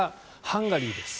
ハンガリーです。